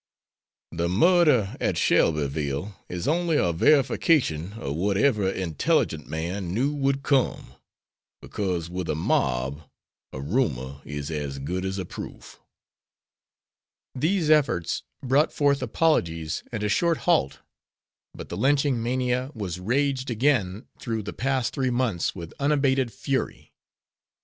The murder at Shelbyville is only a verification of what every intelligent man knew would come, because with a mob a rumor is as good as a proof. These efforts brought forth apologies and a short halt, but the lynching mania was raged again through the past three months with unabated fury.